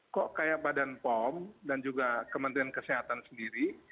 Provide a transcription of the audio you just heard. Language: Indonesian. kok kayak badan pom dan juga kementerian kesehatan sendiri